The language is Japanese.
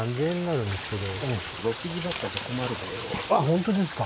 あっ本当ですか？